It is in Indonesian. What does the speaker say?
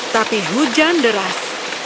tapi hujan deras